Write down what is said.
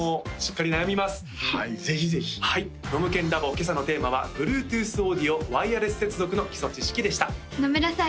今朝のテーマは「Ｂｌｕｅｔｏｏｔｈオーディオワイヤレス接続の基礎知識」でした野村さん